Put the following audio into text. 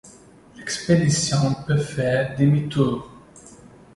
L'expédition peut faire demi-tour.